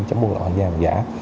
chăm buôn lộn hàng giả